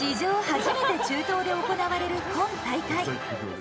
初めて中東で行われる今大会。